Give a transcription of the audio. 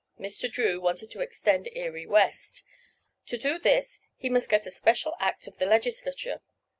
Mr. Drew wanted to extend Erie west. To do this he must get a special act of the Legislature.